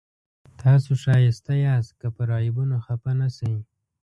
تاسو ښایسته یاست که پر عیبونو خفه نه شئ.